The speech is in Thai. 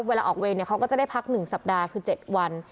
เวลาออกเวรเขาก็จะได้พัก๑สัปดาห์คือ๗วัน